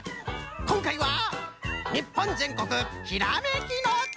こんかいは「日本全国ひらめきの旅」！